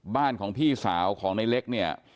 บ้านของพี่สาวของในเล็กเนี่ย